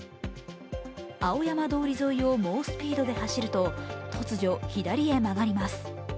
青山通り沿いを猛スピードで走ると、突如、左へ曲がります。